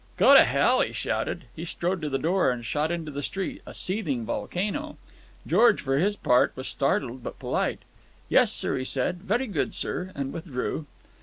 "Go to hell!" he shouted. He strode to the door and shot into the street, a seething volcano. George, for his part, was startled, but polite. "Yes, sir," he said. "Very good, sir," and withdrew.